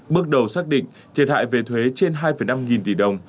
bước đầu xác định thiệt hại về thuế trên hai năm nghìn tỷ đồng